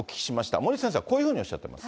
森内先生はこういうふうにおっしゃっています